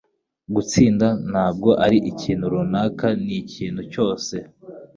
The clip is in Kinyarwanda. Gutsinda ntabwo ari ikintu runaka; ni ikintu cyose.